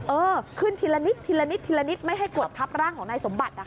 เออขึ้นทีละนิดไม่ให้กวดทับร่างของนายสมบัติ